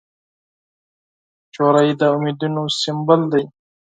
هلک د امیدونو سمبول دی.